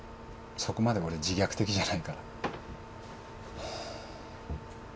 そこまで俺自虐的じゃないから。